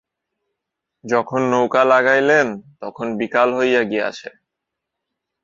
যখন নৌকা লাগাইলেন, তখন বিকাল হইয়া গিয়াছে।